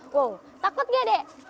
wow takut nggak dek